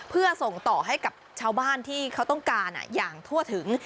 เพื่อส่งต่อให้กับชาวบ้านที่เขาต้องการอย่างทั่วถึง